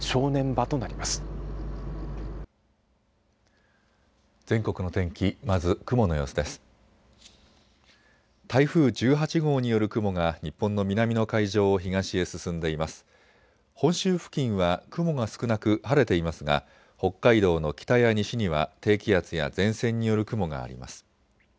本州付近は雲が少なく晴れていますが北海道の北や西には低気圧や前線による雲があります。